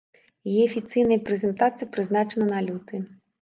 Яе афіцыйная прэзентацыя прызначана на люты.